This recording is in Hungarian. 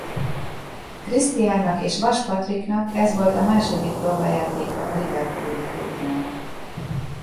Krisztiánnak és Vass Patriknak ez volt a második próbajátéka a liverpooli klubnál.